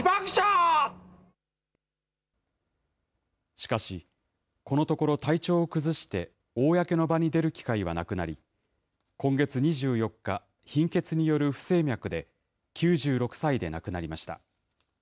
しかし、このところ体調を崩して公の場に出る機会はなくなり、今月２４日、貧血による不整脈で９６歳で亡くなりました。